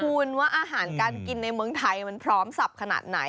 คุณว่าอาหารการกินในเมืองไทยมันพร้อมสับขนาดไหน